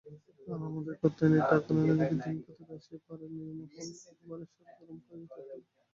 আর আমাদের কাত্যায়নী ঠাকুরানীটি দিন কতক আসিয়াই পাড়ার মেয়েমহল একেবারে সরগরম করিয়া তুলিয়াছেন।